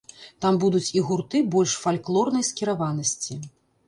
Там будуць і гурты больш фальклорнай скіраванасці.